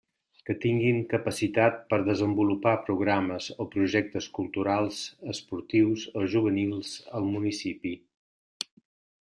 Que tinguin capacitat per desenvolupar programes o projectes culturals, esportius o juvenils al municipi.